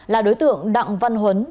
là đối tượng đặng văn huấn